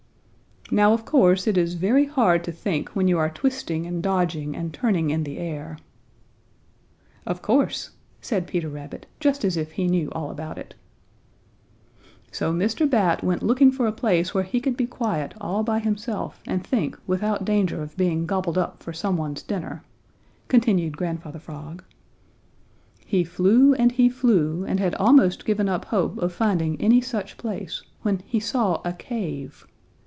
"Now of course it is very hard to think when you are twisting and dodging and turning in the air." "Of course!" said Peter Rabbit, just as if he knew all about it. "So Mr. Bat went looking for a place where he could be quiet all by himself and think without danger of being gobbled up for some one's dinner," continued Grandfather Frog. "He flew and he flew and had almost given up hope of finding any such place when he saw a cave.